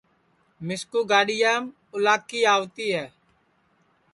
مِسکُو گاڈِؔیام اُلاکی آوتی ہے